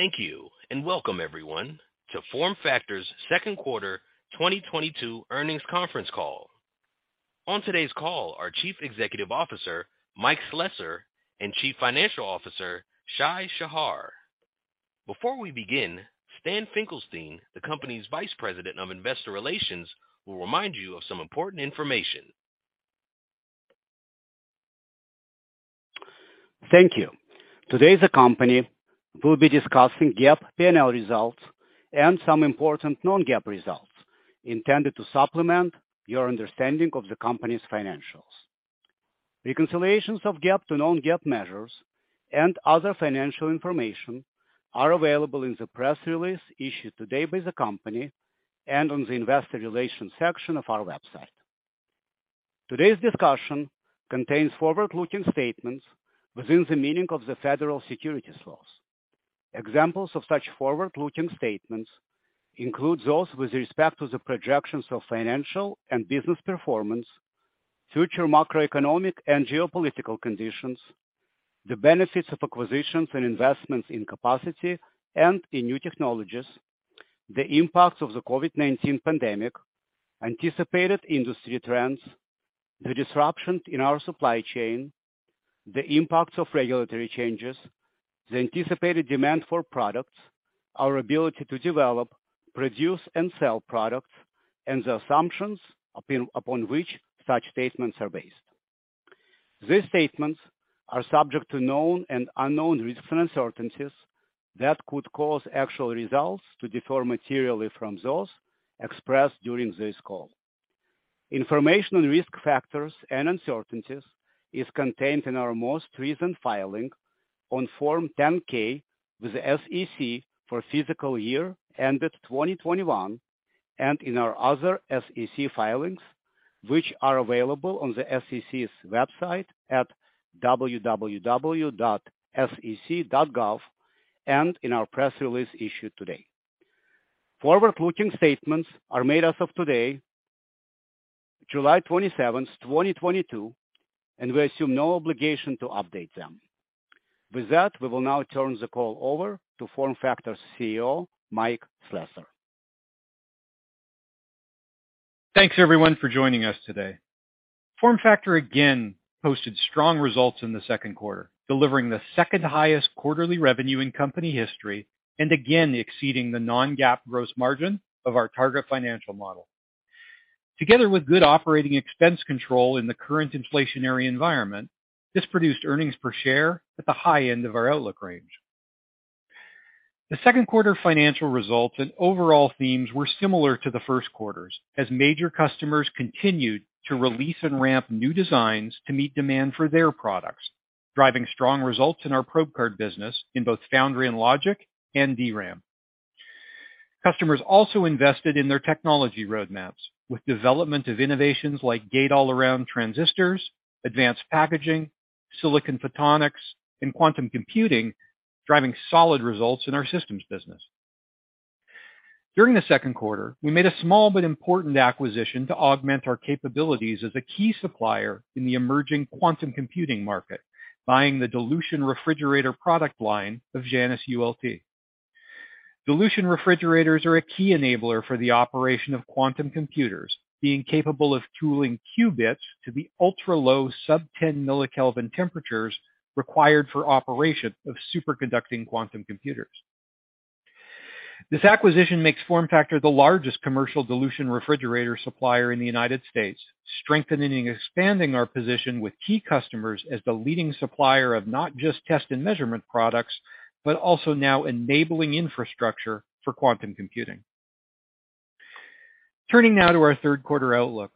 Thank you and welcome everyone to FormFactor's Second Quarter 2022 Earnings Conference Call. On today's call are Chief Executive Officer, Mike Slessor, and Chief Financial Officer, Shai Shahar. Before we begin, Stan Finkelstein, the company's Vice President of Investor Relations, will remind you of some important information. Thank you. Today, the company will be discussing GAAP P&L results and some important non-GAAP results intended to supplement your understanding of the company's financials. Reconciliations of GAAP to non-GAAP measures and other financial information are available in the press release issued today by the company and on the investor relations section of our website. Today's discussion contains forward-looking statements within the meaning of the federal securities laws. Examples of such forward-looking statements include those with respect to the projections of financial and business performance, future macroeconomic and geopolitical conditions, the benefits of acquisitions and investments in capacity and in new technologies, the impacts of the COVID-19 pandemic, anticipated industry trends, the disruptions in our supply chain, the impacts of regulatory changes, the anticipated demand for products, our ability to develop, produce, and sell products, and the assumptions upon which such statements are based. These statements are subject to known and unknown risks and uncertainties that could cause actual results to differ materially from those expressed during this call. Information on risk factors and uncertainties is contained in our most recent filing on Form 10-K with the SEC for FY ended 2021, and in our other SEC filings which are available on the SEC's website at www.sec.gov, and in our press release issued today. Forward-looking statements are made as of today, July 27th, 2022, and we assume no obligation to update them. With that, we will now turn the call over to FormFactor's CEO, Mike Slessor. Thanks everyone for joining us today. FormFactor again posted strong results in the second quarter, delivering the second highest quarterly revenue in company history, and again exceeding the non-GAAP gross margin of our target financial model. Together with good operating expense control in the current inflationary environment, this produced earnings per share at the high end of our outlook range. The second quarter financial results and overall themes were similar to the first quarters, as major customers continued to release and ramp new designs to meet demand for their products, driving strong results in our probe card business in both foundry and logic and DRAM. Customers also invested in their technology roadmaps with development of innovations like Gate-All-Around transistors, advanced packaging, silicon photonics, and quantum computing, driving solid results in our systems business. During the second quarter, we made a small but important acquisition to augment our capabilities as a key supplier in the emerging quantum computing market, buying the dilution refrigerator product line of JanisULT. Dilution refrigerators are a key enabler for the operation of quantum computers, being capable of cooling qubits to the ultra-low sub-ten millikelvin temperatures required for operation of superconducting quantum computers. This acquisition makes FormFactor the largest commercial dilution refrigerator supplier in the United States, strengthening and expanding our position with key customers as the leading supplier of not just test and measurement products, but also now enabling infrastructure for quantum computing. Turning now to our third quarter outlook.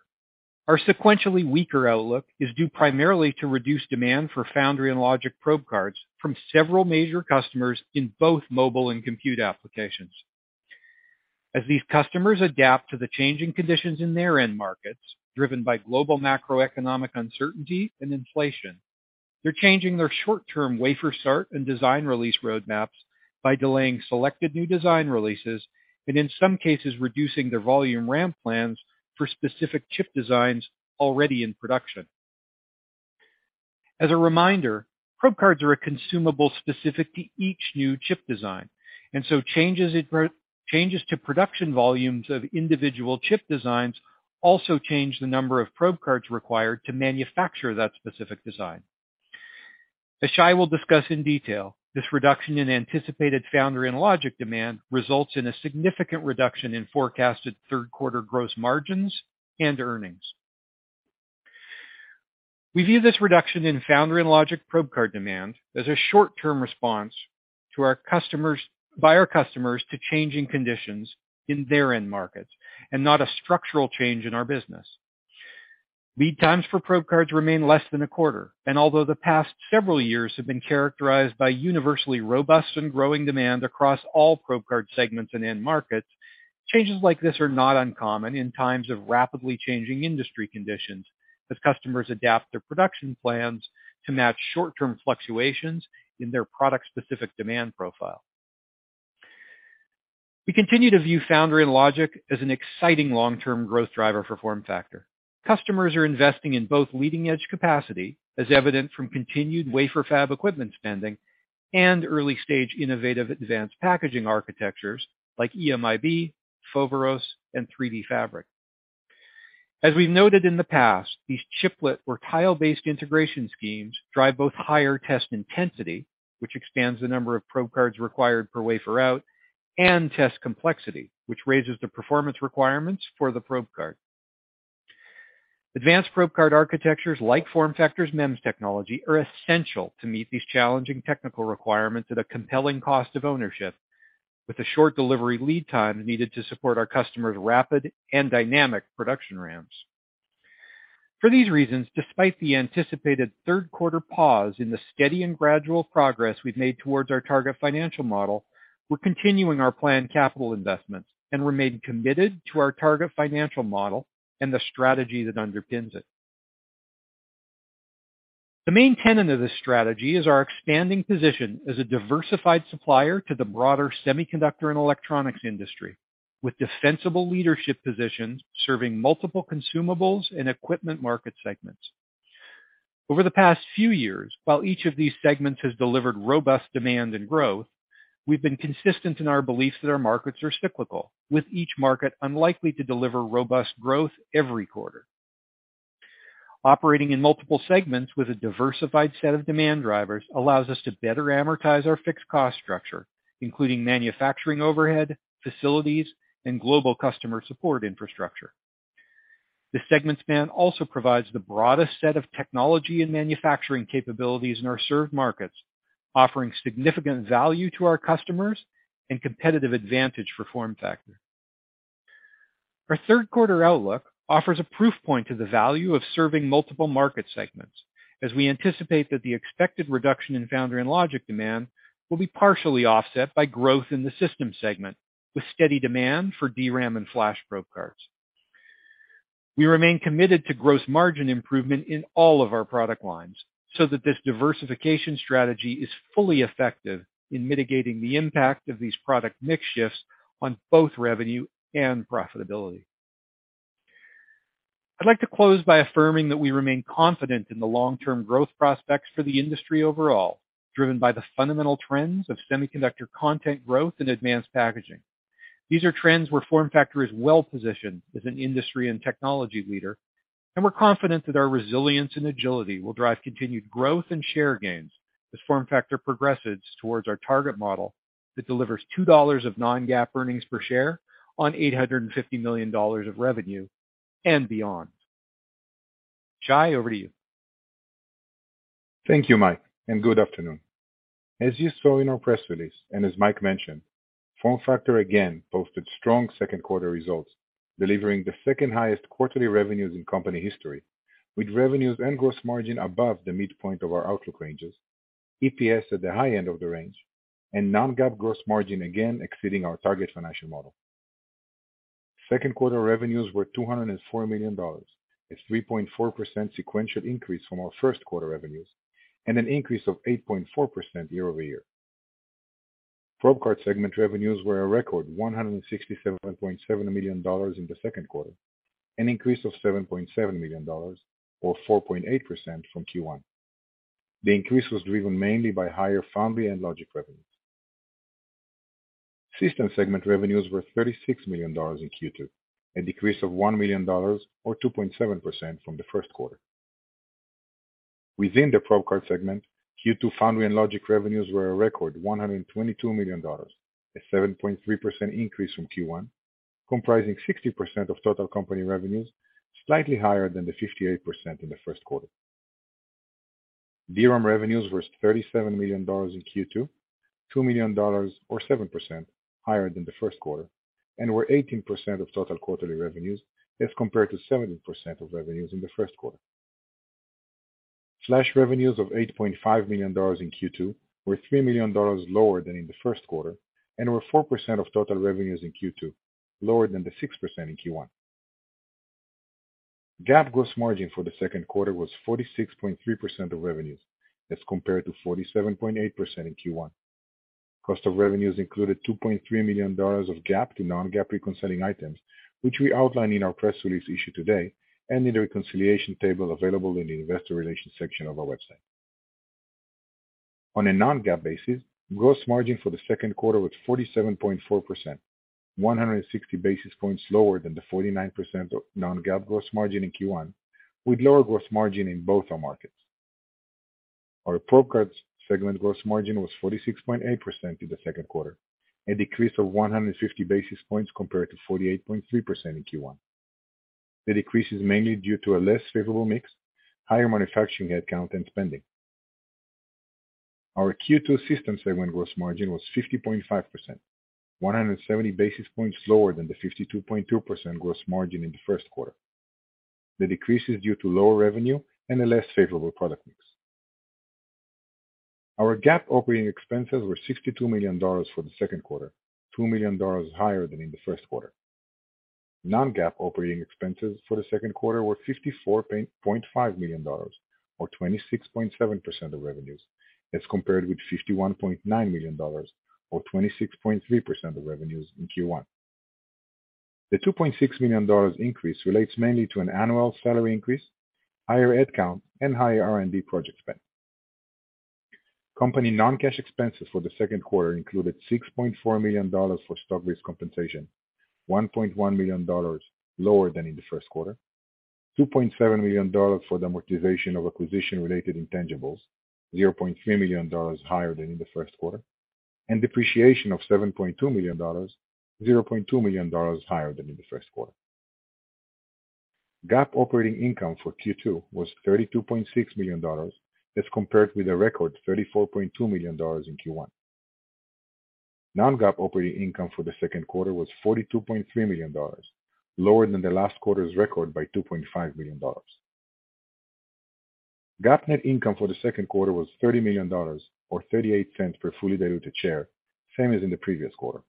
Our sequentially weaker outlook is due primarily to reduced demand for foundry and logic probe cards from several major customers in both mobile and compute applications. As these customers adapt to the changing conditions in their end markets, driven by global macroeconomic uncertainty and inflation, they're changing their short-term wafer start and design release roadmaps by delaying selected new design releases, and in some cases, reducing their volume ramp plans for specific chip designs already in production. As a reminder, probe cards are a consumable specific to each new chip design, and so changes to production volumes of individual chip designs also change the number of probe cards required to manufacture that specific design. As Shai will discuss in detail, this reduction in anticipated foundry and logic demand results in a significant reduction in forecasted third quarter gross margins and earnings. We view this reduction in foundry and logic probe card demand as a short-term response by our customers to changing conditions in their end markets and not a structural change in our business. Lead times for probe cards remain less than a quarter, and although the past several years have been characterized by universally robust and growing demand across all probe card segments and end markets, changes like this are not uncommon in times of rapidly changing industry conditions as customers adapt their production plans to match short-term fluctuations in their product-specific demand profile. We continue to view foundry and logic as an exciting long-term growth driver for FormFactor. Customers are investing in both leading-edge capacity, as evident from continued wafer fab equipment spending, and early-stage innovative advanced packaging architectures like EMIB, Foveros, and 3D Fabric. As we noted in the past, these chiplet or tile-based integration schemes drive both higher test intensity, which expands the number of probe cards required per wafer out, and test complexity, which raises the performance requirements for the probe card. Advanced probe card architectures like FormFactor's MEMS technology are essential to meet these challenging technical requirements at a compelling cost of ownership with the short delivery lead times needed to support our customers' rapid and dynamic production ramps. For these reasons, despite the anticipated third quarter pause in the steady and gradual progress we've made towards our target financial model, we're continuing our planned capital investments, and remain committed to our target financial model and the strategy that underpins it. The main tenet of this strategy is our expanding position as a diversified supplier to the broader semiconductor and electronics industry, with defensible leadership positions serving multiple consumables and equipment market segments. Over the past few years, while each of these segments has delivered robust demand and growth, we've been consistent in our belief that our markets are cyclical, with each market unlikely to deliver robust growth every quarter. Operating in multiple segments with a diversified set of demand drivers allows us to better amortize our fixed cost structure, including manufacturing overhead, facilities, and global customer support infrastructure. The segment span also provides the broadest set of technology and manufacturing capabilities in our served markets, offering significant value to our customers, and competitive advantage for FormFactor. Our third quarter outlook offers a proof point to the value of serving multiple market segments as we anticipate that the expected reduction in foundry and logic demand will be partially offset by growth in the system segment with steady demand for DRAM and flash probe cards. We remain committed to gross margin improvement in all of our product lines so that this diversification strategy is fully effective in mitigating the impact of these product mix shifts on both revenue and profitability. I'd like to close by affirming that we remain confident in the long-term growth prospects for the industry overall, driven by the fundamental trends of semiconductor content growth and advanced packaging. These are trends where FormFactor is well-positioned as an industry and technology leader, and we're confident that our resilience and agility will drive continued growth and share gains as FormFactor progresses towards our target model that delivers $2 of non-GAAP earnings per share on $850 million of revenue and beyond. Shai, over to you. Thank you, Mike, and good afternoon. As you saw in our press release, and as Mike mentioned, FormFactor again posted strong second quarter results, delivering the second highest quarterly revenues in company history with revenues and gross margin above the midpoint of our outlook ranges, EPS at the high end of the range, and non-GAAP gross margin again exceeding our target financial model. Second quarter revenues were $204 million, a 3.4% sequential increase from our first quarter revenues, and an increase of 8.4% year-over-year. Probe card segment revenues were a record $167.7 million in the second quarter, an increase of $7.7 million or 4.8% from Q1. The increase was driven mainly by higher foundry and logic revenues. System segment revenues were $36 million in Q2, a decrease of $1 million or 2.7% from the first quarter. Within the probe card segment, Q2 foundry and logic revenues were a record $122 million, a 7.3% increase from Q1, comprising 60% of total company revenues, slightly higher than the 58% in the first quarter. DRAM revenues were $37 million in Q2, $2 million or 7% higher than the first quarter, and were 18% of total quarterly revenues as compared to 17% of revenues in the first quarter. Flash revenues of $8.5 million in Q2 were $3 million lower than in the first quarter and were 4% of total revenues in Q2, lower than the 6% in Q1. GAAP gross margin for the second quarter was 46.3% of revenues as compared to 47.8% in Q1. Cost of revenues included $2.3 million of GAAP to non-GAAP reconciling items, which we outline in our press release issued today and in the reconciliation table available in the investor relations section of our website. On a non-GAAP basis, gross margin for the second quarter was 47.4%, 160 basis points lower than the 49% of non-GAAP gross margin in Q1, with lower gross margin in both our markets. Our probe cards segment gross margin was 46.8% in the second quarter, a decrease of 150 basis points compared to 48.3% in Q1. The decrease is mainly due to a less favorable mix, higher manufacturing headcount, and spending. Our Q2 system segment gross margin was 50.5%, 170 basis points lower than the 52.2% gross margin in the first quarter. The decrease is due to lower revenue and a less favorable product mix. Our GAAP operating expenses were $62 million for the second quarter, $2 million higher than in the first quarter. Non-GAAP operating expenses for the second quarter were $54.5 million, or 26.7% of revenues, as compared with $51.9 million or 26.3% of revenues in Q1. The $2.6 million increase relates mainly to an annual salary increase, higher head count, and higher R&D project spend. Company non-cash expenses for the second quarter included $6.4 million for stock-based compensation, $1.1 million lower than in the first quarter. $2.7 million for the amortization of acquisition-related intangibles, $0.3 million higher than in the first quarter. Depreciation of $7.2 million, $0.2 million higher than in the first quarter. GAAP operating income for Q2 was $32.6 million, as compared with a record $34.2 million in Q1. non-GAAP operating income for the second quarter was $42.3 million, lower than the last quarter's record by $2.5 million. GAAP net income for the second quarter was $30 million or $0.38 per fully diluted share, same as in the previous quarter.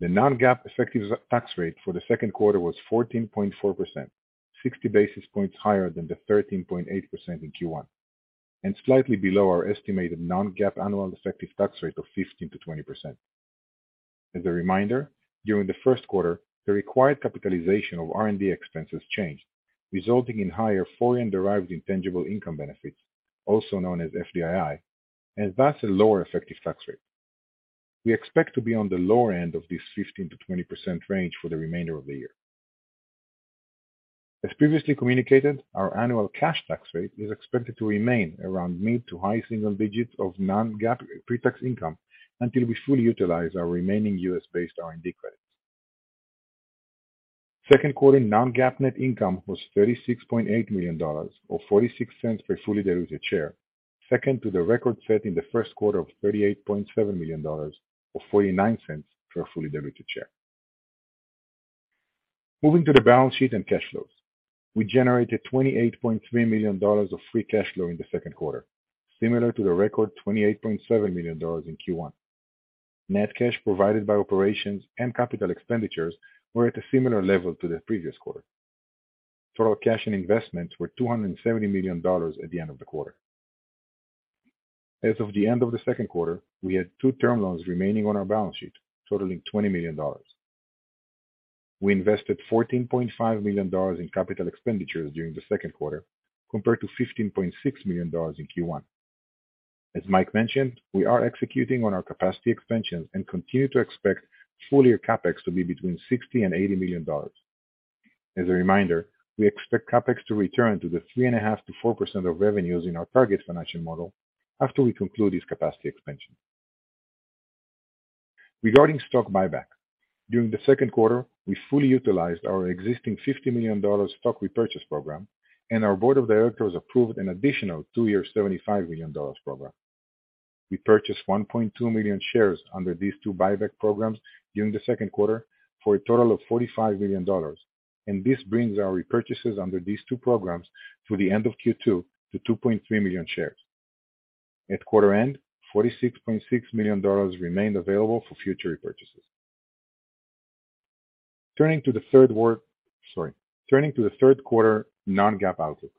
The non-GAAP effective tax rate for the second quarter was 14.4%, 60 basis points higher than the 13.8% in Q1, and slightly below our estimated non-GAAP annual effective tax rate of 15%-20%. As a reminder, during the first quarter, the required capitalization of R&D expenses changed, resulting in higher foreign derived intangible income benefits, also known as FDII, and thus a lower effective tax rate. We expect to be on the lower end of this 15%-20% range for the remainder of the year. As previously communicated, our annual cash tax rate is expected to remain around mid to high single digits of non-GAAP pre-tax income until we fully utilize our remaining U.S.-based R&D credits. Second quarter non-GAAP net income was $36.8 million or $0.46 per fully diluted share. Second to the record set in the first quarter of $38.7 million or $0.49 per fully diluted share. Moving to the balance sheet and cash flows. We generated $28.3 million of free cash flow in the second quarter, similar to the record $28.7 million in Q1. Net cash provided by operations and capital expenditures were at a similar level to the previous quarter. Total cash and investments were $270 million at the end of the quarter. As of the end of the second quarter, we had two term loans remaining on our balance sheet, totaling $20 million. We invested $14.5 million in capital expenditures during the second quarter, compared to $15.6 million in Q1. As Mike mentioned, we are executing on our capacity expansions and continue to expect full year CapEx to be between $60 million and $80 million. As a reminder, we expect CapEx to return to the 3.5%-4% of revenues in our target financial model after we conclude this capacity expansion. Regarding stock buyback, during the second quarter, we fully utilized our existing $50 million stock repurchase program, and our board of directors approved an additional two-year $75 million program. We purchased 1.2 million shares under these two buyback programs during the second quarter for a total of $45 million, and this brings our repurchases under these two programs to the end of Q2 to 2.3 million shares. At quarter end, $46.6 million remained available for future repurchases. Turning to the third quarter non-GAAP outlook.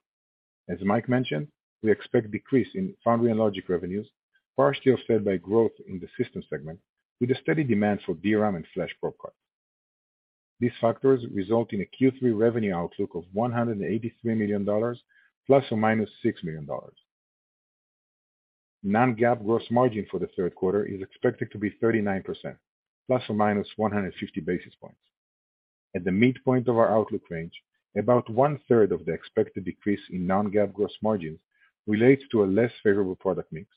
As Mike mentioned, we expect decrease in foundry and logic revenues, partially offset by growth in the systems segment with a steady demand for DRAM and flash product. These factors result in a Q3 revenue outlook of $183 million, ±$6 million. Non-GAAP gross margin for the third quarter is expected to be 39%, ±150 basis points. At the midpoint of our outlook range, about 1/3 of the expected decrease in non-GAAP gross margins relates to a less favorable product mix,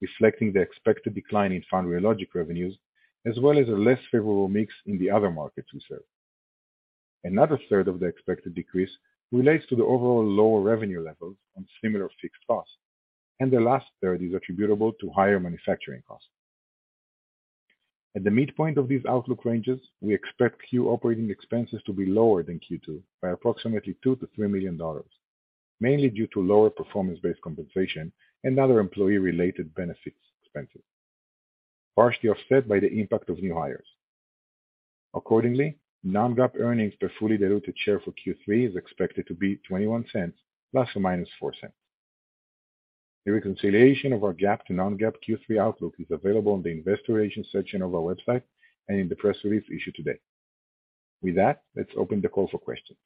reflecting the expected decline in foundry and logic revenues, as well as a less favorable mix in the other markets we serve. Another third of the expected decrease relates to the overall lower revenue levels on similar fixed costs, and the last third is attributable to higher manufacturing costs. At the midpoint of these outlook ranges, we expect Q3 operating expenses to be lower than Q2 by approximately $2 million-$3 million, mainly due to lower performance-based compensation and other employee-related benefits expenses, partially offset by the impact of new hires. Accordingly, non-GAAP earnings per fully diluted share for Q3 is expected to be $0.21, ± $0.04. A reconciliation of our GAAP to non-GAAP Q3 outlook is available on the investor relations section of our website and in the press release issued today. With that, let's open the call for questions.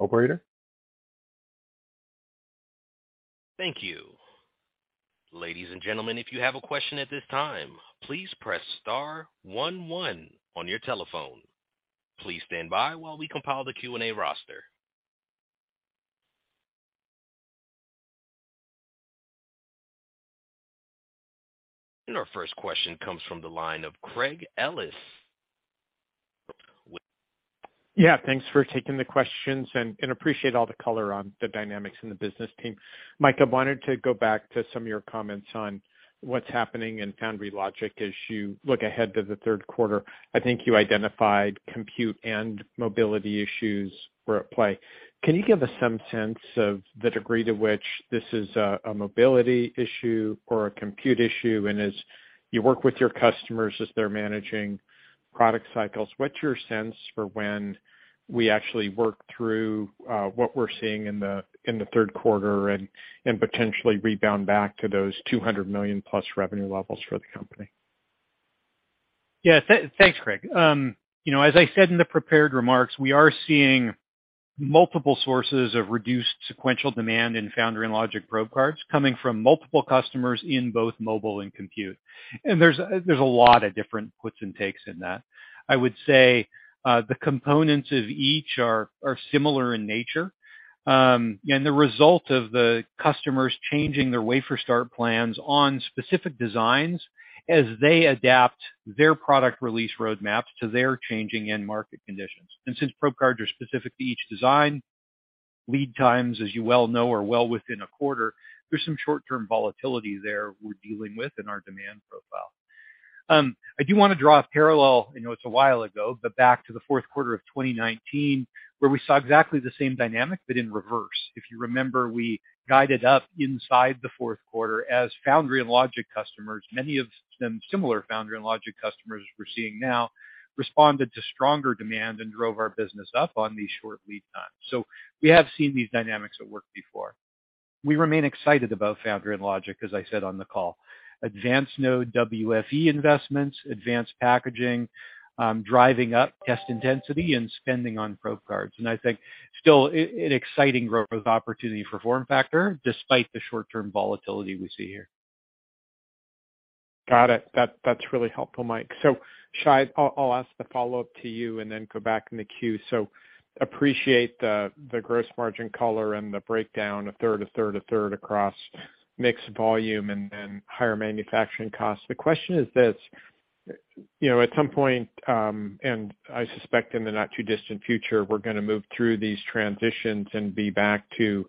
Operator? Thank you. Ladies and gentlemen, if you have a question at this time, please press star one one on your telephone. Please stand by while we compile the Q&A roster. Our first question comes from the line of Craig Ellis with- Yeah, thanks for taking the questions and appreciate all the color on the dynamics in the business team. Mike, I wanted to go back to some of your comments on what's happening in foundry logic as you look ahead to the third quarter. I think you identified compute and mobility issues were at play. Can you give us some sense of the degree to which this is a mobility issue or a compute issue? As you work with your customers, as they're managing Product cycles. What's your sense for when we actually work through what we're seeing in the third quarter and potentially rebound back to those $200+ million revenue levels for the company? Yeah. Thanks, Craig. You know, as I said in the prepared remarks, we are seeing multiple sources of reduced sequential demand in foundry and logic probe cards coming from multiple customers in both mobile and compute. There's a lot of different puts and takes in that. I would say, the components of each are similar in nature, and the result of the customers changing their wafer start plans on specific designs as they adapt their product release roadmaps to their changing end market conditions. Since probe cards are specific to each design, lead times, as you well know, are well within a quarter. There's some short-term volatility there we're dealing with in our demand profile. I do wanna draw a parallel. I know it's a while ago, but back to the fourth quarter of 2019, where we saw exactly the same dynamic but in reverse. If you remember, we guided up inside the fourth quarter as foundry and logic customers, many of them similar foundry and logic customers we're seeing now, responded to stronger demand and drove our business up on these short lead times. We have seen these dynamics at work before. We remain excited about foundry and logic, as I said on the call. Advanced node WFE investments, advanced packaging, driving up test intensity and spending on probe cards. I think still an exciting growth opportunity for FormFactor despite the short-term volatility we see here. Got it. That's really helpful, Mike. Shai, I'll ask the follow-up to you and then go back in the queue. Appreciate the gross margin color and the breakdown, a third, a third, a third across mix, volume and then higher manufacturing costs. The question is this, You know, at some point, and I suspect in the not too distant future, we're gonna move through these transitions and be back to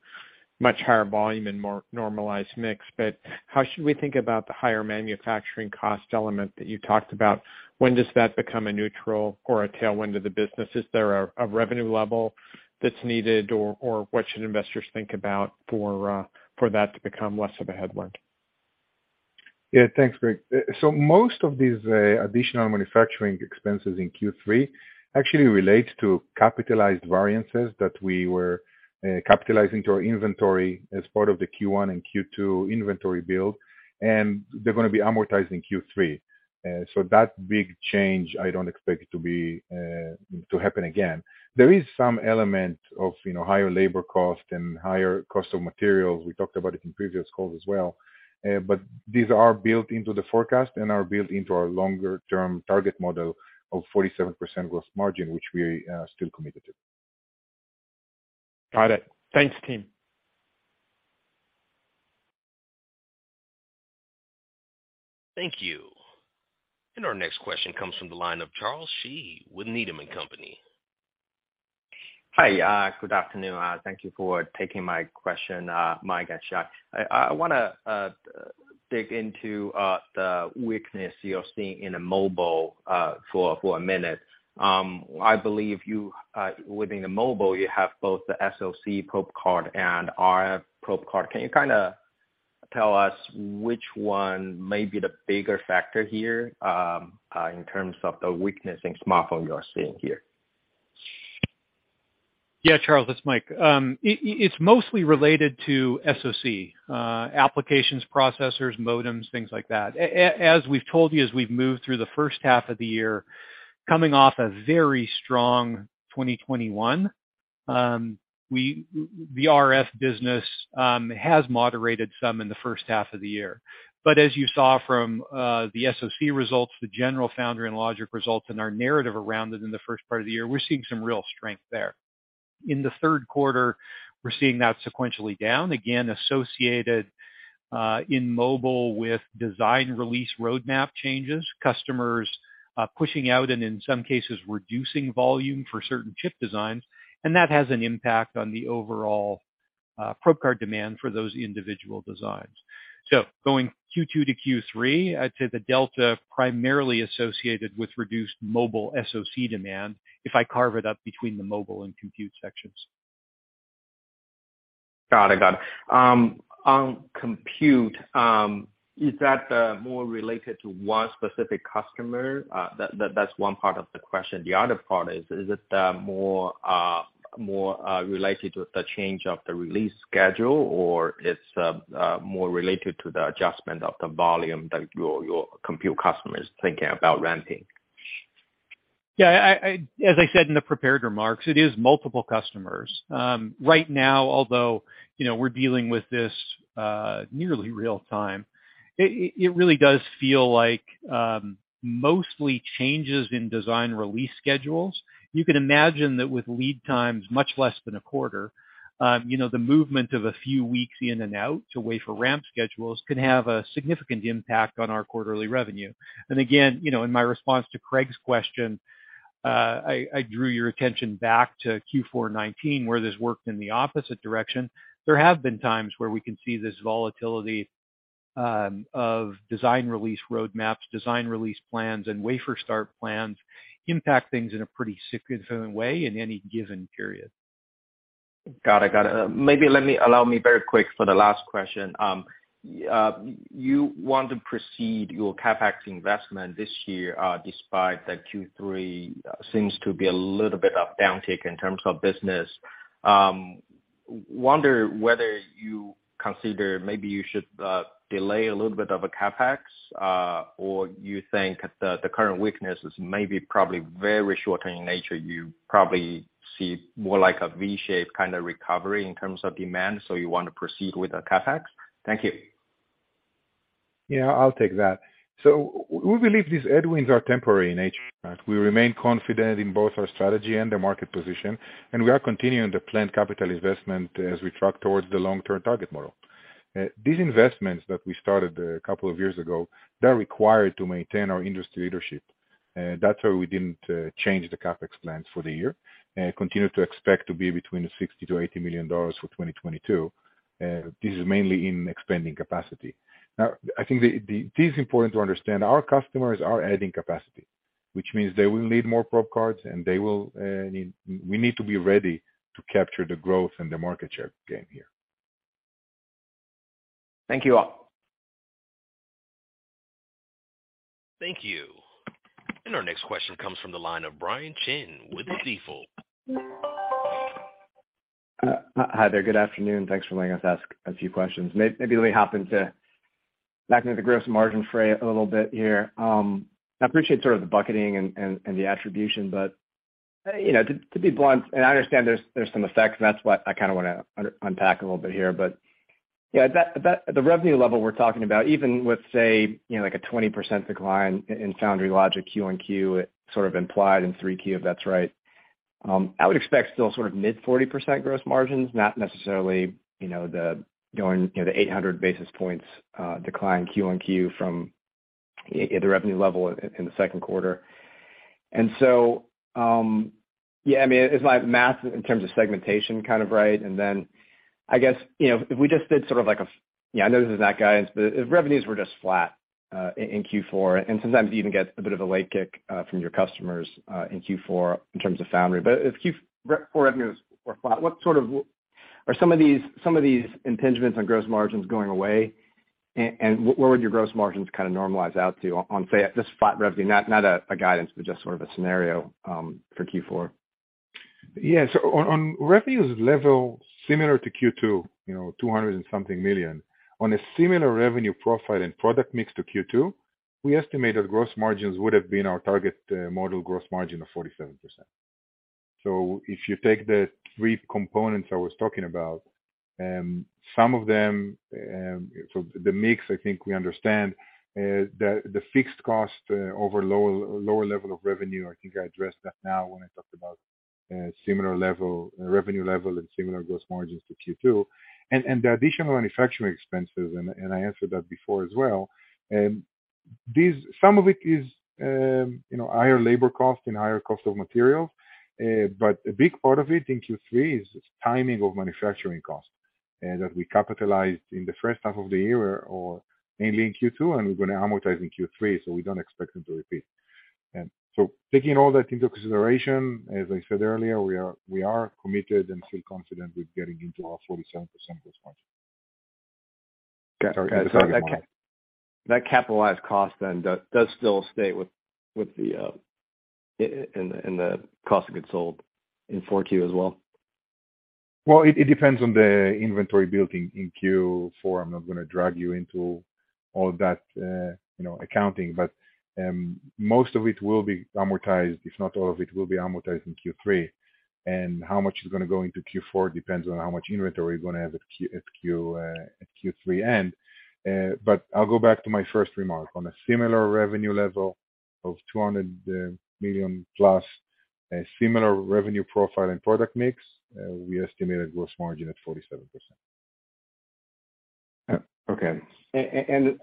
much higher volume and more normalized mix. But how should we think about the higher manufacturing cost element that you talked about? When does that become a neutral or a tailwind to the business? Is there a revenue level that's needed or what should investors think about for that to become less of a headwind? Yeah. Thanks, Craig. Most of these additional manufacturing expenses in Q3 actually relate to capitalized variances that we were capitalizing to our inventory as part of the Q1 and Q2 inventory build, and they're gonna be amortized in Q3. That big change, I don't expect it to be to happen again. There is some element of, you know, higher labor cost and higher cost of materials. We talked about it in previous calls as well. These are built into the forecast and are built into our longer-term target model of 47% gross margin, which we are still committed to. Got it. Thanks, team. Thank you. Our next question comes from the line of Charles Shi with Needham & Company. Hi. Good afternoon. Thank you for taking my question, Mike and Shai. I wanna dig into the weakness you're seeing in mobile for a minute. I believe you within the mobile, you have both the SoC probe card and RF probe card. Can you kinda tell us which one may be the bigger factor here, in terms of the weakness in smartphone you're seeing here? Yeah, Charles, it's Mike. It's mostly related to SoC applications, processors, modems, things like that. As we've told you as we've moved through the first half of the year, coming off a very strong 2021, the RF business has moderated some in the first half of the year. As you saw from the SoC results, the general foundry and logic results and our narrative around it in the first part of the year, we're seeing some real strength there. In the third quarter, we're seeing that sequentially down, again associated in mobile with design release roadmap changes. Customers pushing out and in some cases, reducing volume for certain chip designs, and that has an impact on the overall probe card demand for those individual designs. Going Q2 to Q3, to the delta primarily associated with reduced mobile SoC demand, if I carve it up between the mobile and compute sections. Got it. On compute, is that more related to one specific customer? That's one part of the question. The other part is it more related to the change of the release schedule or it's more related to the adjustment of the volume that your compute customer is thinking about ramping? Yeah. As I said in the prepared remarks, it is multiple customers. Right now, although you know, we're dealing with this nearly real-time, it really does feel like mostly changes in design release schedules. You can imagine that with lead times much less than a quarter, you know, the movement of a few weeks in and out to wafer ramp schedules can have a significant impact on our quarterly revenue. Again, you know, in my response to Craig's question, I drew your attention back to Q4 2019, where this worked in the opposite direction. There have been times where we can see this volatility of design release roadmaps, design release plans, and wafer start plans impact things in a pretty significant way in any given period. Got it. Allow me very quickly for the last question. You want to proceed your CapEx investment this year, despite that Q3 seems to be a little bit of downtick in terms of business. Wonder whether you consider maybe you should delay a little bit of a CapEx, or you think the current weaknesses may be probably very short term in nature, you probably see more like a V shape kind of recovery in terms of demand, so you want to proceed with the CapEx? Thank you. Yeah, I'll take that. We believe these headwinds are temporary in nature. We remain confident in both our strategy and the market position, and we are continuing the planned capital investment as we track towards the long-term target model. These investments that we started a couple of years ago, they're required to maintain our industry leadership. That's why we didn't change the CapEx plans for the year, continue to expect to be between $60 million-$80 million for 2022. This is mainly in expanding capacity. I think it is important to understand our customers are adding capacity, which means they will need more probe cards and they will, we need to be ready to capture the growth and the market share gain here. Thank you all. Thank you. Our next question comes from the line of Brian Chin with Stifel. Hi there. Good afternoon. Thanks for letting us ask a few questions. Maybe let me hop back into the gross margin fray a little bit here. I appreciate sort of the bucketing and the attribution, but you know, to be blunt, and I understand there's some effects, and that's what I kinda wanna unpack a little bit here, but yeah, that the revenue level we're talking about, even with, say, you know, like a 20% decline in foundry logic Q on Q, it sort of implied in 3Q if that's right. I would expect still sort of mid-40% gross margins, not necessarily, you know, the going, you know, the 800 basis points decline QoQ from yeah, the revenue level in the second quarter. Yeah, I mean, is my math in terms of segmentation kind of right? Then I guess, you know, if we just did. Yeah, I know this is not guidance, but if revenues were just flat in Q4, and sometimes you even get a bit of a late kick from your customers in Q4 in terms of foundry. If Q4 revenues were flat, what sort of are some of these impingements on gross margins going away? And where would your gross margins kinda normalize out to on, say, at this flat revenue? Not a guidance, but just sort of a scenario for Q4. Yeah. On revenues level similar to Q2, you know, $200-something million. On a similar revenue profile and product mix to Q2, we estimated gross margins would have been our target model gross margin of 47%. If you take the three components I was talking about, some of them, the mix, I think we understand the fixed cost over lower level of revenue, I think I addressed that now when I talked about revenue level and similar gross margins to Q2. The additional manufacturing expenses, and I answered that before as well. Some of it is, you know, higher labor cost and higher cost of materials, but a big part of it in Q3 is timing of manufacturing costs, that we capitalized in the first half of the year or mainly in Q2, and we're gonna amortize in Q3, so we don't expect them to repeat. Taking all that into consideration, as I said earlier, we are committed and feel confident with getting into our 47% gross margin. Okay. Sorry That capitalized cost then does still stay within the cost of goods sold in Q4 as well? Well, it depends on the inventory building in Q4. I'm not gonna drag you into all that, you know, accounting, but most of it will be amortized. If not all of it will be amortized in Q3. How much is gonna go into Q4 depends on how much inventory we're gonna have at Q3 end. I'll go back to my first remark. On a similar revenue level of $200+ million a similar revenue profile and product mix, we estimated gross margin at 47%. Okay, you know,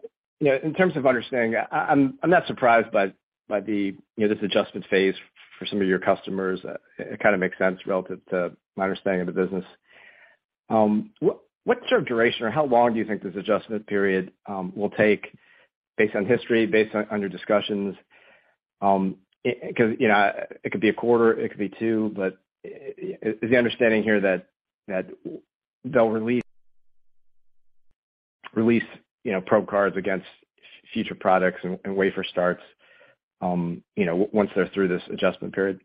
in terms of understanding, I'm not surprised by the, you know, this adjustment phase for some of your customers. It kinda makes sense relative to my understanding of the business. What's your duration or how long do you think this adjustment period will take based on history, based on your discussions? 'Cause, you know, it could be a quarter, it could be two, but is the understanding here that they'll release, you know, probe cards against future products and wafer starts, you know, once they're through this adjustment period?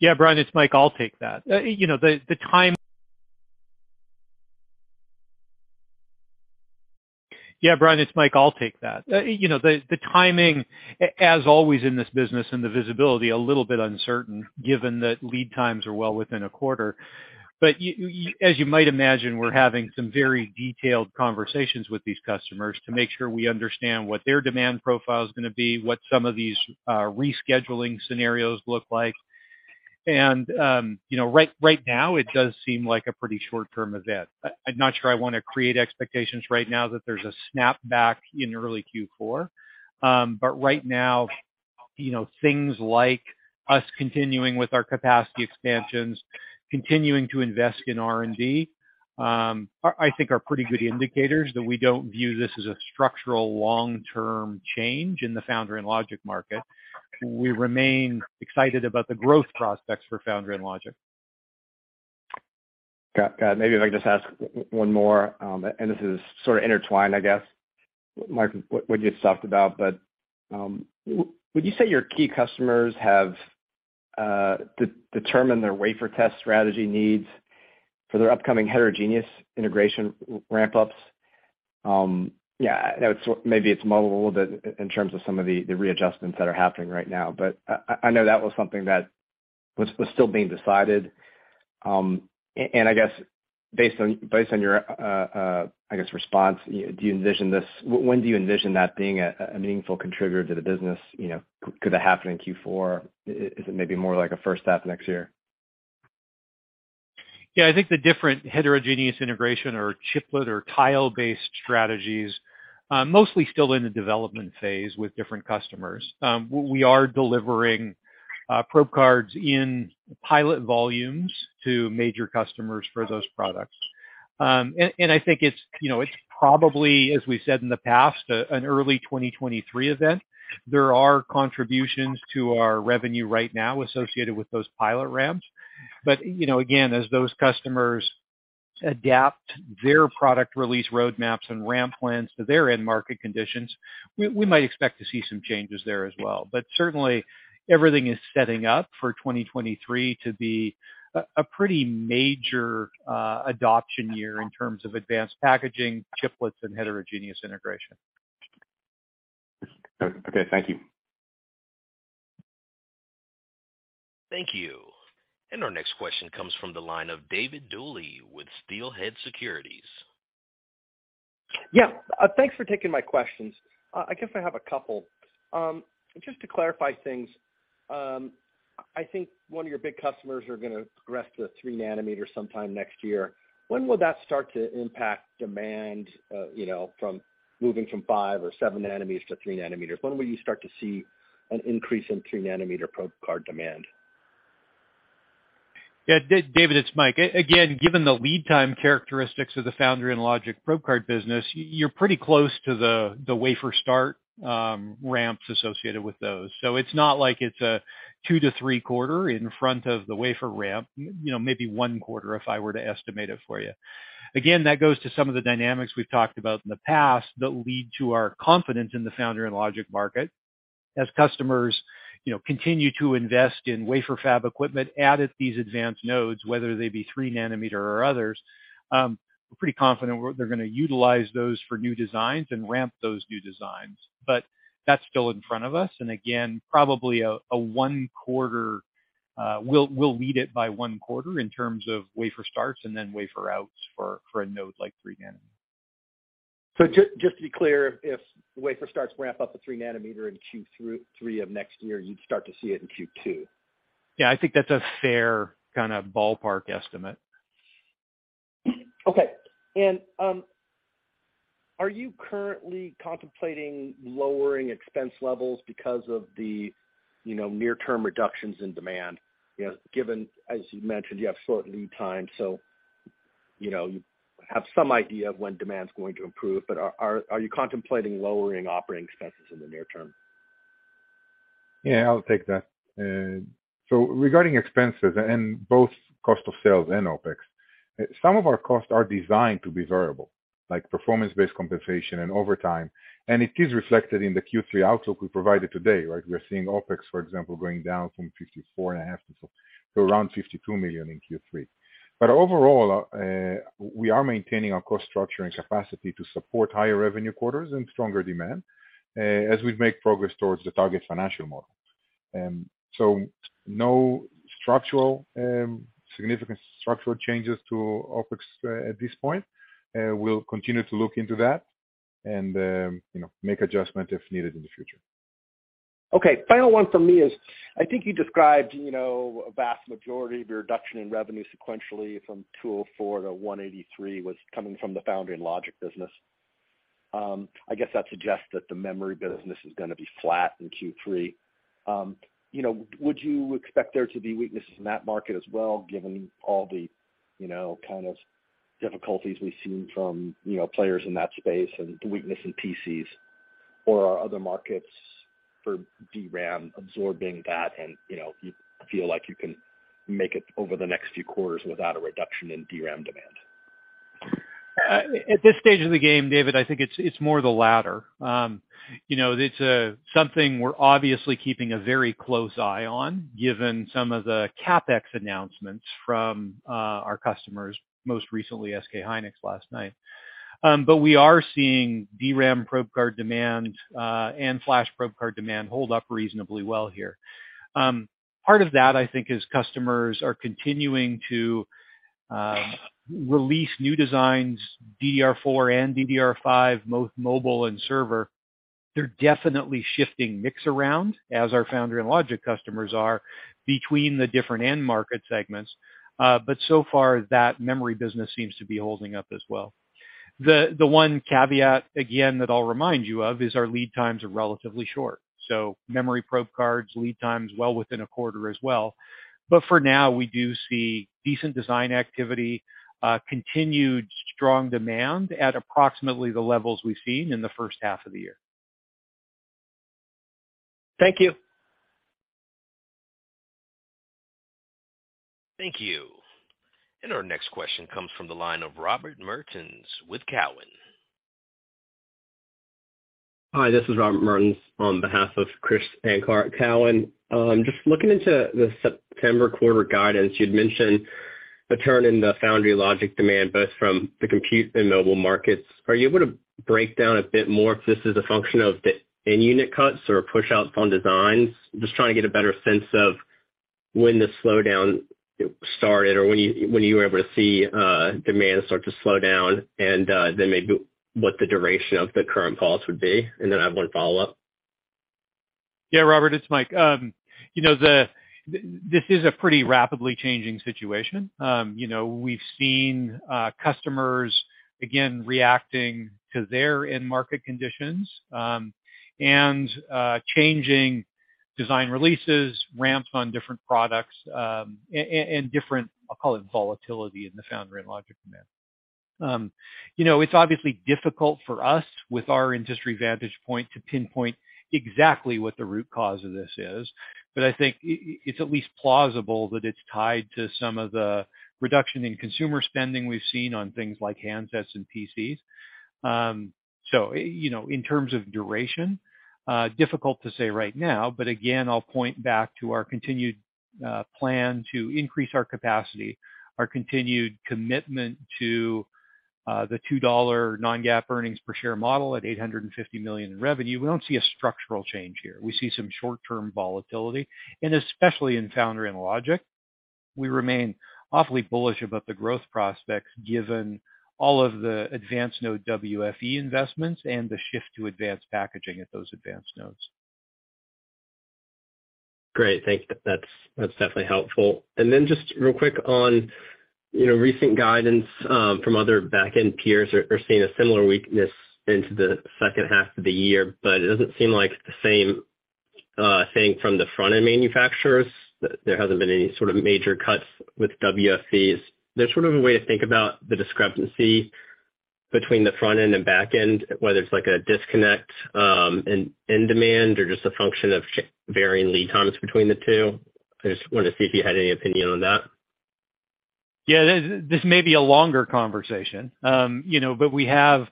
Yeah, Brian, it's Mike. I'll take that. You know, the timing, as always in this business and the visibility, a little bit uncertain given that lead times are well within a quarter. You, as you might imagine, we're having some very detailed conversations with these customers to make sure we understand what their demand profile is gonna be, what some of these rescheduling scenarios look like. You know, right now, it does seem like a pretty short-term event. I'm not sure I wanna create expectations right now that there's a snapback in early Q4. Right now, you know, things like us continuing with our capacity expansions, continuing to invest in R&D, I think are pretty good indicators that we don't view this as a structural long-term change in the foundry and logic market. We remain excited about the growth prospects for foundry and logic. Got it. Maybe if I could just ask one more, and this is sort of intertwined, I guess, Mike, what you just talked about, but would you say your key customers have determined their wafer test strategy needs for their upcoming heterogeneous integration ramp ups? Yeah, I know it's maybe muddled a little bit in terms of some of the readjustments that are happening right now, but I know that was something that was still being decided. And I guess based on your, I guess response, do you envision that being a meaningful contributor to the business? You know, could it happen in Q4? Is it maybe more like a first half next year? Yeah. I think the different heterogeneous integration or chiplet or tile-based strategies are mostly still in the development phase with different customers. We are delivering probe cards in pilot volumes to major customers for those products. I think it's, you know, it's probably, as we said in the past, an early 2023 event. There are contributions to our revenue right now associated with those pilot ramps, but, you know, again, as those customers adapt their product release roadmaps and ramp plans to their end market conditions, we might expect to see some changes there as well. Certainly everything is setting up for 2023 to be a pretty major adoption year in terms of advanced packaging, chiplets, and heterogeneous integration. Okay. Thank you. Thank you. Our next question comes from the line of David Duley with Steelhead Securities. Yeah. Thanks for taking my questions. I guess I have a couple. Just to clarify things, I think one of your big customers are gonna progress to the 3 nm sometime next year. When will that start to impact demand, you know, from moving from 5 or 7 nm to 3 nm? When will you start to see an increase in 3 nm probe card demand? Yeah. David, it's Mike. Again, given the lead time characteristics of the foundry and logic probe card business, you're pretty close to the wafer start ramps associated with those. It's not like it's a two to three quarter in front of the wafer ramp. You know, maybe one quarter if I were to estimate it for you. Again, that goes to some of the dynamics we've talked about in the past that lead to our confidence in the foundry and logic market. As customers, you know, continue to invest in wafer fab equipment at these advanced nodes, whether they be 3 nm or others, we're pretty confident they're gonna utilize those for new designs and ramp those new designs. That's still in front of us, and again, probably a one quarter, we'll lead it by one quarter in terms of wafer starts and then wafer outs for a node like 3 nm. Just to be clear, if wafer starts ramp up at 3 nm in Q3 of next year, you'd start to see it in Q2? Yeah, I think that's a fair kind of ballpark estimate. Okay. Are you currently contemplating lowering expense levels because of the, you know, near-term reductions in demand, you know, given, as you mentioned, you have short lead time, so, you know, you have some idea of when demand's going to improve, but are you contemplating lowering operating expenses in the near term? Yeah, I'll take that. Regarding expenses and both cost of sales and OpEx, some of our costs are designed to be variable, like performance-based compensation and overtime, and it is reflected in the Q3 outlook we provided today, right? We're seeing OpEx, for example, going down from $54.5 million to around $52 million in Q3. Overall, we are maintaining our cost structure and capacity to support higher revenue quarters and stronger demand as we make progress towards the target financial model. No significant structural changes to OpEx at this point. We'll continue to look into that and, you know, make adjustment if needed in the future. Okay. Final one from me is, I think you described, you know, a vast majority of your reduction in revenue sequentially from $204 million to $183 million was coming from the foundry and logic business. I guess that suggests that the memory business is gonna be flat in Q3. You know, would you expect there to be weaknesses in that market as well, given all the, you know, kind of difficulties we've seen from, you know, players in that space and the weakness in PCs or are other markets for DRAM absorbing that and, you know, you feel like you can make it over the next few quarters without a reduction in DRAM demand? At this stage of the game, David, I think it's more the latter. You know, it's something we're obviously keeping a very close eye on given some of the CapEx announcements from our customers, most recently SK hynix last night. We are seeing DRAM probe card demand and flash probe card demand hold up reasonably well here. Part of that, I think, is customers are continuing to release new designs, DDR4 and DDR5, both mobile and server. They're definitely shifting mix around as our foundry and logic customers are between the different end market segments. So far that memory business seems to be holding up as well. The one caveat again that I'll remind you of is our lead times are relatively short, so memory probe cards lead time's well within a quarter as well. For now, we do see decent design activity, continued strong demand at approximately the levels we've seen in the first half of the year. Thank you. Thank you. Our next question comes from the line of Robert Mertens with TD Cowen. Hi, this is Robert Mertens on behalf of Krish Sankar at Cowen. Just looking into the September quarter guidance, you'd mentioned a turn in the foundry logic demand, both from the compute and mobile markets. Are you able to break down a bit more if this is a function of the in-unit cuts or pushouts on designs? Just trying to get a better sense of when the slowdown started or when you were able to see demand start to slow down, and then maybe what the duration of the current pause would be. I have one follow-up. Yeah, Robert, it's Mike. This is a pretty rapidly changing situation. You know, we've seen customers, again, reacting to their end market conditions, and changing design releases, ramps on different products, and different, I'll call it volatility in the foundry and logic demand. You know, it's obviously difficult for us, with our industry vantage point, to pinpoint exactly what the root cause of this is. I think it's at least plausible that it's tied to some of the reduction in consumer spending we've seen on things like handsets and PCs. You know, in terms of duration, difficult to say right now, but again, I'll point back to our continued plan to increase our capacity, our continued commitment to the $2 non-GAAP earnings per share model at $850 million in revenue. We don't see a structural change here. We see some short-term volatility. Especially in foundry and logic, we remain awfully bullish about the growth prospects given all of the advanced node WFE investments and the shift to advanced packaging at those advanced nodes. Great. Thank you. That's definitely helpful. Just real quick on, you know, recent guidance from other back-end peers are seeing a similar weakness into the second half of the year, but it doesn't seem like the same thing from the front-end manufacturers. There hasn't been any sort of major cuts with WFE. Is there sort of a way to think about the discrepancy between the front end and back end, whether it's like a disconnect in demand or just a function of varying lead times between the two? I just wanted to see if you had any opinion on that. Yeah, this may be a longer conversation. You know, but we have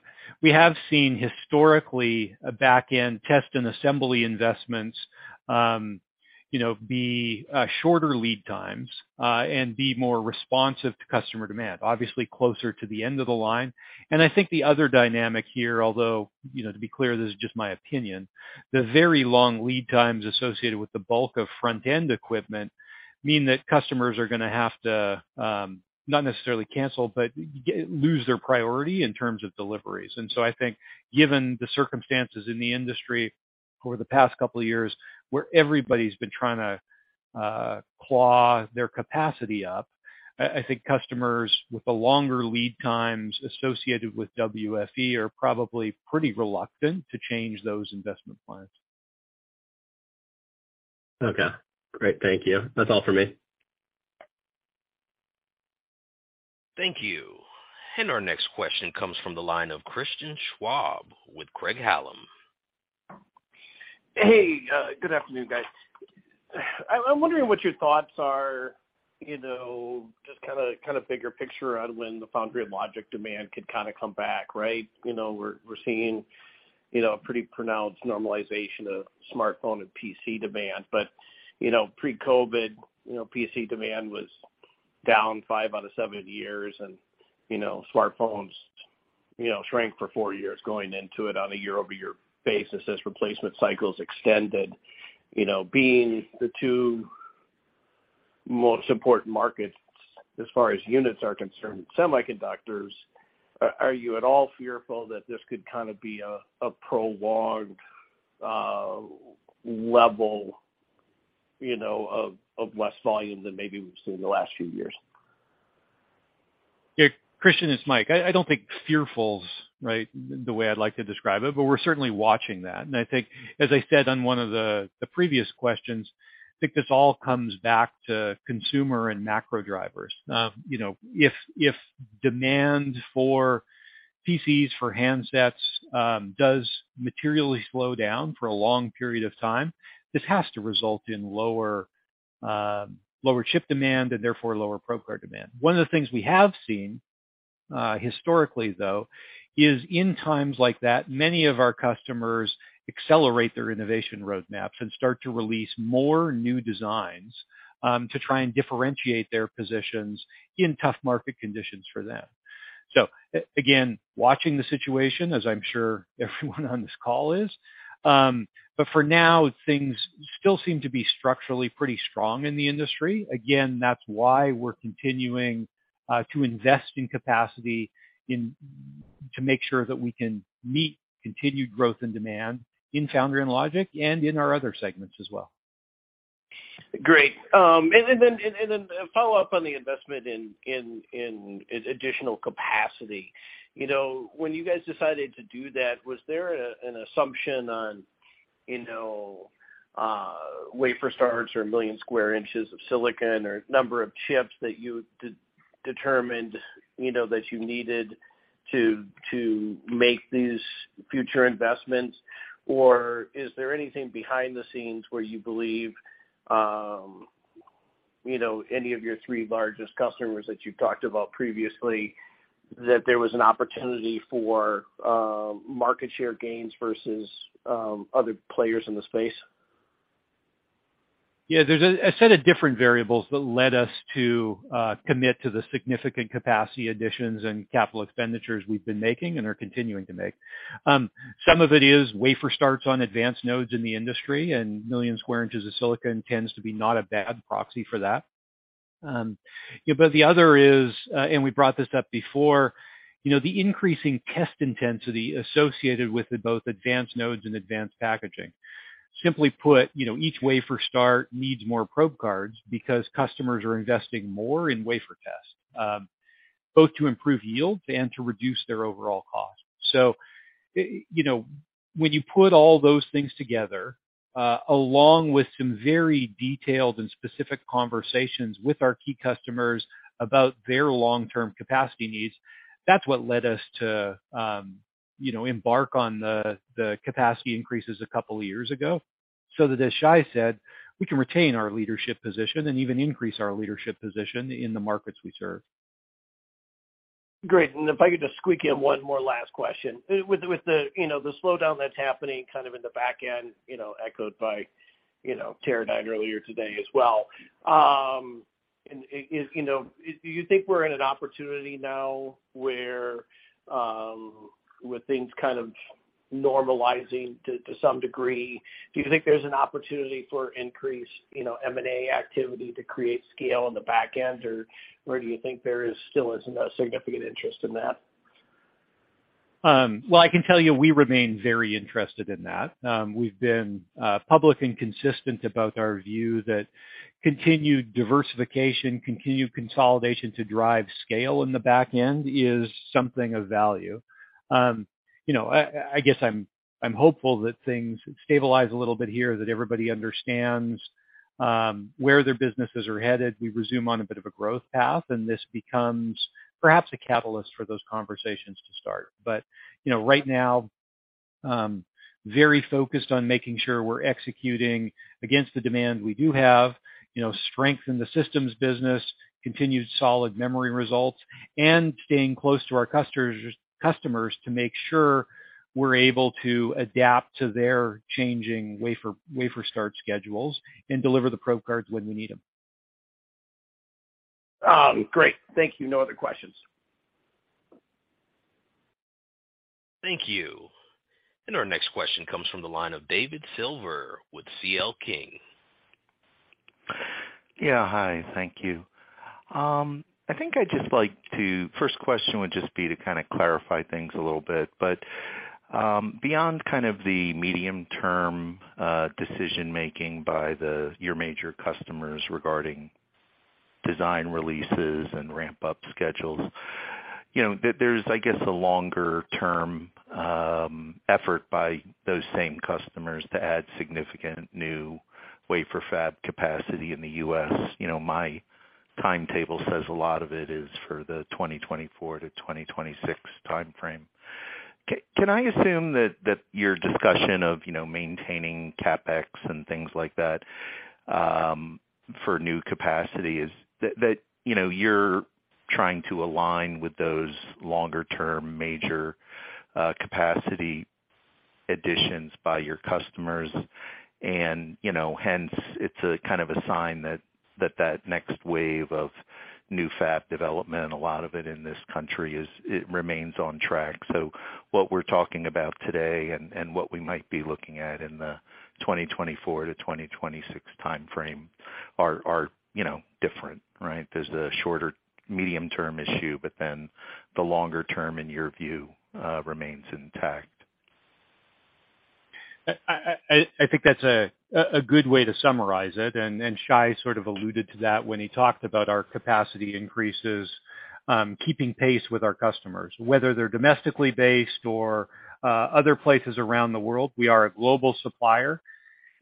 seen historically a back-end test and assembly investments, you know, be shorter lead times, and be more responsive to customer demand, obviously closer to the end of the line. I think the other dynamic here, although, you know, to be clear, this is just my opinion, the very long lead times associated with the bulk of front-end equipment mean that customers are gonna have to, not necessarily cancel, but lose their priority in terms of deliveries. I think given the circumstances in the industry over the past couple of years, where everybody's been trying to, claw their capacity up, customers with the longer lead times associated with WFE are probably pretty reluctant to change those investment plans. Okay, great. Thank you. That's all for me. Thank you. Our next question comes from the line of Christian Schwab with Craig-Hallum. Hey, good afternoon, guys. I'm wondering what your thoughts are, you know, just kind of bigger picture on when the foundry and logic demand could kind of come back, right? You know, we're seeing, you know, a pretty pronounced normalization of smartphone and PC demand. You know, pre-COVID, you know, PC demand was down five out of seven years and, you know, smartphones, you know, shrank for four years going into it on a year-over-year basis as replacement cycles extended. You know, being the two most important markets as far as units are concerned in semiconductors, are you at all fearful that this could kind of be a prolonged level, you know, of less volume than maybe we've seen in the last few years? Yeah. Christian, it's Mike. I don't think fearful's right, the way I'd like to describe it, but we're certainly watching that. I think, as I said on one of the previous questions, I think this all comes back to consumer and macro drivers. You know, if demand for PCs, for handsets, does materially slow down for a long period of time, this has to result in lower chip demand and therefore lower probe demand. One of the things we have seen, historically, though, is in times like that, many of our customers accelerate their innovation roadmaps and start to release more new designs, to try, and differentiate their positions in tough market conditions for them. Again, watching the situation, as I'm sure everyone on this call is. For now, things still seem to be structurally pretty strong in the industry. Again, that's why we're continuing to invest in capacity to make sure that we can meet continued growth and demand in foundry and logic and in our other segments as well. Great. A follow-up on the investment in additional capacity. You know, when you guys decided to do that, was there an assumption on, you know, wafer starts or 1 million in² of silicon or number of chips that you determined, you know, that you needed to make these future investments, or is there anything behind the scenes where you believe, you know, any of your three largest customers that you've talked about previously, that there was an opportunity for market share gains versus other players in the space? Yeah. There's a set of different variables that led us to commit to the significant capacity additions and capital expenditures we've been making and are continuing to make. Some of it is wafer starts on advanced nodes in the industry, and million square inches of silicon tends to be not a bad proxy for that. The other is and we brought this up before, you know, the increasing test intensity associated with both advanced nodes and advanced packaging. Simply put, you know, each wafer start needs more probe cards because customers are investing more in wafer tests, both to improve yields and to reduce their overall cost. You know, when you put all those things together, along with some very detailed and specific conversations with our key customers about their long-term capacity needs, that's what led us to, you know, embark on the capacity increases a couple of years ago, so that as Shai said, we can retain our leadership position and even increase our leadership position in the markets we serve. Great. If I could just squeak in one more last question. With the, you know, the slowdown that's happening kind of in the back end, you know, echoed by, you know, Teradyne earlier today as well, is, you know, do you think we're in an opportunity now where with things kind of normalizing to some degree, do you think there's an opportunity for increased, you know, M&A activity to create scale on the back end, or do you think there still isn't a significant interest in that? Well, I can tell you we remain very interested in that. We've been public and consistent about our view that continued diversification, continued consolidation to drive scale in the back end is something of value. You know, I guess I'm hopeful that things stabilize a little bit here, that everybody understands where their businesses are headed. We're on a bit of a growth path, and this becomes perhaps a catalyst for those conversations to start. You know, right now, very focused on making sure we're executing against the demand we do have, you know, strength in the systems business, continued solid memory results, and staying close to our customers to make sure we're able to adapt to their changing wafer start schedules and deliver the probe cards when we need them. Great. Thank you. No other questions. Thank you. Our next question comes from the line of David Silver with C.L. King. Yeah. Hi, thank you. I think I'd just like to. First question would just be to kind of clarify things a little bit. Beyond kind of the medium-term decision-making by your major customers regarding design releases and ramp up schedules, you know, there's, I guess, a longer-term effort by those same customers to add significant new wafer fab capacity in the U.S. You know, my timetable says a lot of it is for the 2024 to 2026 timeframe. Can I assume that your discussion of, you know, maintaining CapEx and things like that for new capacity is that, you know, you're trying to align with those longer-term major capacity additions by your customers and, you know, hence it's a kind of a sign that next wave of new fab development, a lot of it in this country is, it remains on track. What we're talking about today and what we might be looking at in the 2024-2026 timeframe are, you know, different, right? There's the shorter medium-term issue, but then the longer term in your view remains intact. I think that's a good way to summarize it, and Shai sort of alluded to that when he talked about our capacity increases keeping pace with our customers. Whether they're domestically based or other places around the world, we are a global supplier.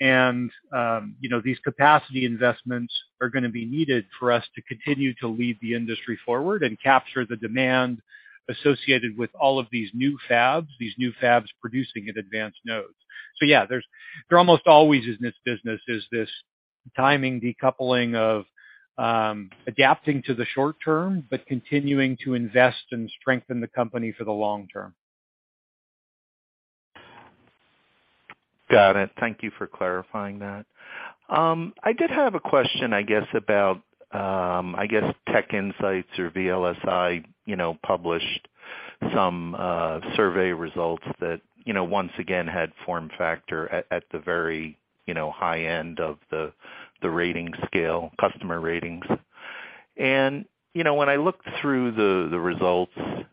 You know, these capacity investments are gonna be needed for us to continue to lead the industry forward and capture the demand associated with all of these new fabs producing at advanced nodes. Yeah, there's almost always in this business this timing decoupling of adapting to the short term, but continuing to invest and strengthen the company for the long term. Got it. Thank you for clarifying that. I did have a question, I guess, about, I guess TechInsights or VLSIresearch, you know, published some survey results that, you know, once again had FormFactor at the very, you know, high end of the rating scale, customer ratings. You know, when I looked through the results,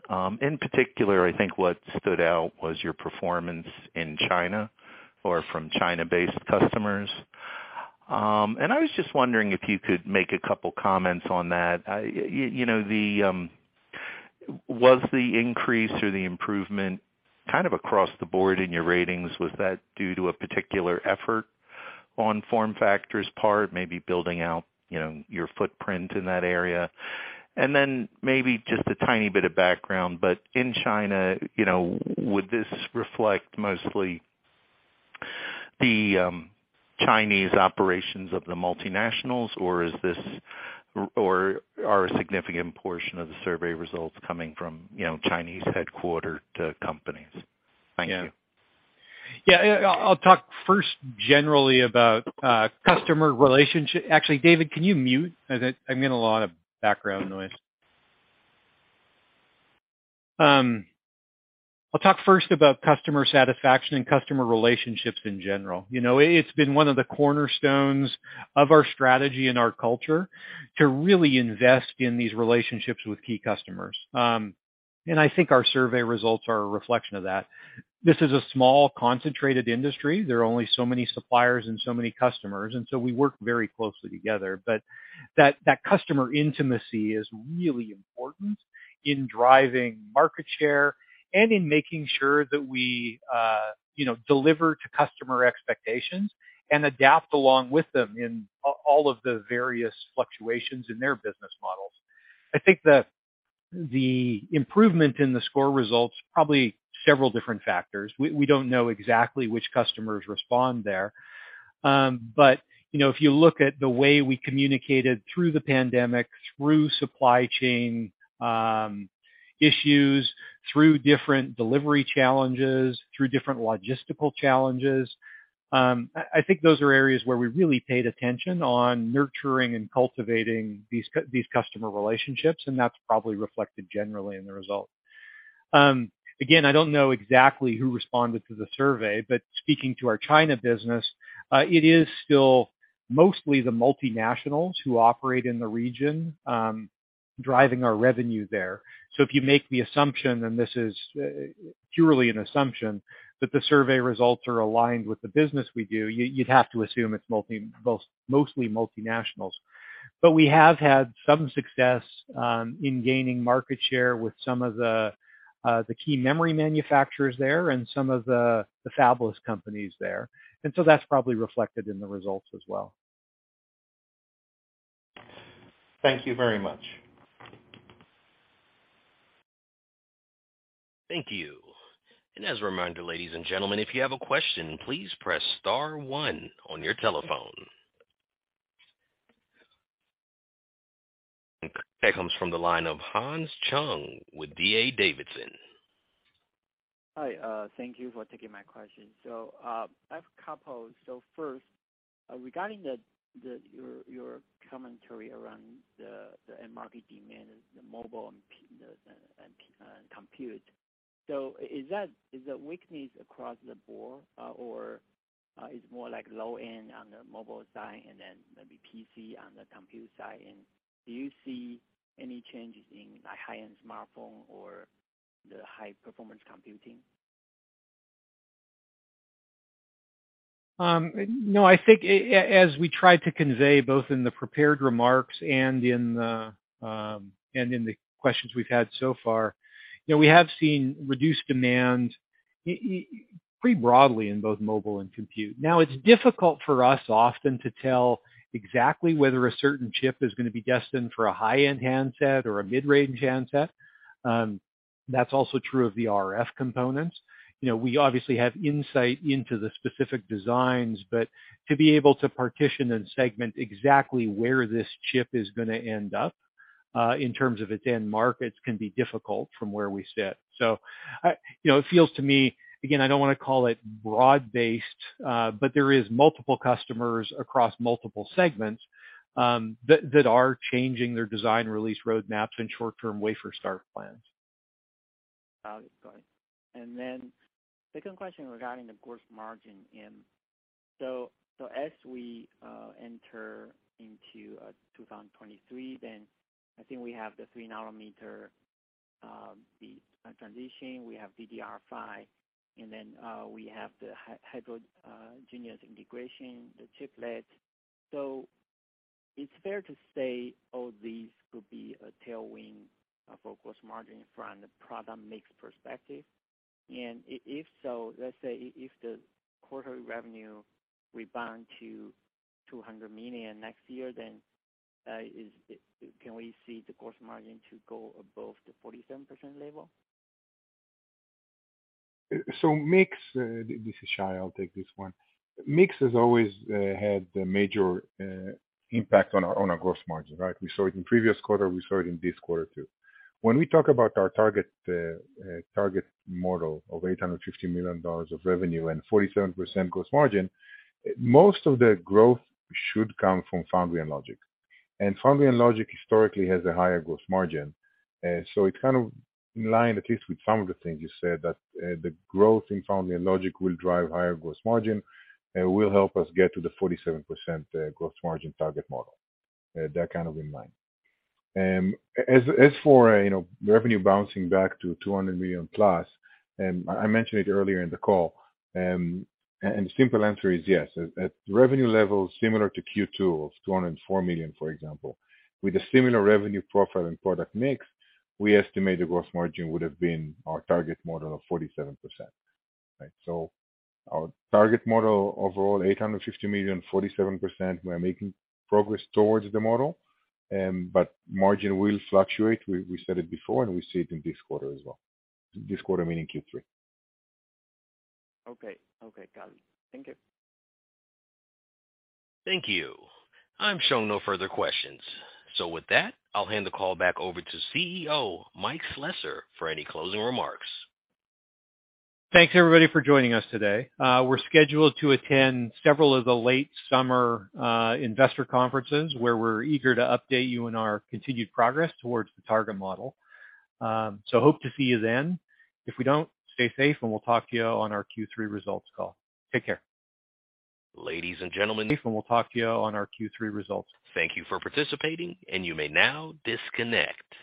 in particular, I think what stood out was your performance in China or from China-based customers. I was just wondering if you could make a couple comments on that. You know, was the increase or the improvement kind of across the board in your ratings, was that due to a particular effort? On FormFactor's part, maybe building out, you know, your footprint in that area. Maybe just a tiny bit of background, but in China, you know, would this reflect mostly the Chinese operations of the multinationals or are a significant portion of the survey results coming from, you know, Chinese-headquartered companies? Thank you. Yeah. Yeah, actually, David, can you mute? I'm getting a lot of background noise. I'll talk first about customer satisfaction and customer relationships in general. You know, it's been one of the cornerstones of our strategy and our culture to really invest in these relationships with key customers. And I think our survey results are a reflection of that. This is a small, concentrated industry. There are only so many suppliers and so many customers, and so we work very closely together. That customer intimacy is really important in driving market share and in making sure that we, you know, deliver to customer expectations and adapt along with them in all of the various fluctuations in their business models. I think the improvement in the score results probably several different factors. We don't know exactly which customers respond there. You know, if you look at the way we communicated through the pandemic, through supply chain issues, through different delivery challenges, through different logistical challenges, I think those are areas where we really paid attention on nurturing and cultivating these customer relationships, and that's probably reflected generally in the results. Again, I don't know exactly who responded to the survey, but speaking to our China business, it is still mostly the multinationals who operate in the region, driving our revenue there. If you make the assumption, and this is purely an assumption, that the survey results are aligned with the business we do, you'd have to assume it's mostly multinationals. We have had some success in gaining market share with some of the key memory manufacturers there and some of the fabless companies there. That's probably reflected in the results as well. Thank you very much. Thank you. As a reminder, ladies and gentlemen, if you have a question, please press star one on your telephone. That comes from the line of Hans Chung with D.A. Davidson & Co. Hi, thank you for taking my question. I've a couple. First, regarding your commentary around the end market demand, the mobile and compute. Is the weakness across the board, or is more like low end on the mobile side and then maybe PC on the compute side? And do you see any changes in the high-end smartphone or the high-performance computing? No, I think as we tried to convey, both in the prepared remarks and in the questions we've had so far, you know, we have seen reduced demand in pretty broadly in both mobile and compute. Now it's difficult for us often to tell exactly whether a certain chip is gonna be destined for a high-end handset or a mid-range handset. That's also true of the RF components. You know, we obviously have insight into the specific designs, but to be able to partition and segment exactly where this chip is gonna end up, in terms of its end markets can be difficult from where we sit. You know, it feels to me, again, I don't wanna call it broad-based, but there is multiple customers across multiple segments, that are changing their design release roadmaps and short-term wafer start plans. Got it. Second question regarding the gross margin. As we enter into 2023, I think we have the 3 nm transition, we have DDR5, and then we have the hybrid heterogeneous integration, the chiplets. It's fair to say all these could be a tailwind for gross margin from the product mix perspective. If so, let's say if the quarterly revenue rebounds to $200 million next year, then can we see the gross margin go above the 47% level? This is Shai. I'll take this one. Mix has always had a major impact on our gross margin, right? We saw it in previous quarter. We saw it in this quarter too. When we talk about our target model of $850 million of revenue and 47% gross margin, most of the growth should come from foundry and logic. Foundry and logic historically has a higher gross margin. It kind of in line at least with some of the things you said, that the growth in foundry and logic will drive higher gross margin, will help us get to the 47% gross margin target model. That kind of in mind. As for, you know, revenue bouncing back to $200+ million, I mentioned it earlier in the call, and the simple answer is yes. At revenue levels similar to Q2 of $204 million, for example, with a similar revenue profile and product mix, we estimate the gross margin would have been our target model of 47%. Right? Our target model overall, $850 million, 47%. We are making progress towards the model, but margin will fluctuate. We said it before, and we see it in this quarter as well. This quarter, meaning Q3. Okay. Okay, got it. Thank you. Thank you. I'm showing no further questions. With that, I'll hand the call back over to CEO, Mike Slessor for any closing remarks. Thanks everybody for joining us today. We're scheduled to attend several of the late summer investor conferences, where we're eager to update you on our continued progress towards the target model. Hope to see you then. If we don't, stay safe, and we'll talk to you on our Q3 results call. Take care. Ladies and gentlemen. We'll talk to you on our Q3 results. Thank you for participating, and you may now disconnect.